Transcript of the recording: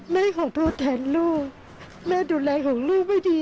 แม่ขอโทษแทนลูกแม่ดูแลของลูกให้ดี